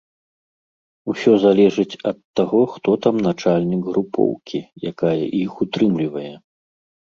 Усё залежыць ад таго, хто там начальнік групоўкі, якая іх утрымлівае.